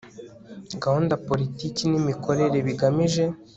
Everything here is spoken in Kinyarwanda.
gahunda politiki n imikorere bigamije